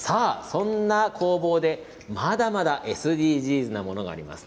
そんな工房にはまだまだＳＤＧｓなものがあります。